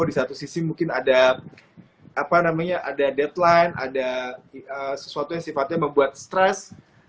di satu sisi mungkin ada deadline ada sesuatu yang sifatnya membuat stres